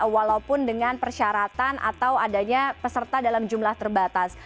walaupun dengan persyaratan atau adanya peserta dalam jumlah terbatas